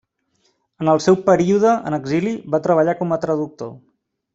En el seu període en l'exili va treballar com a traductor.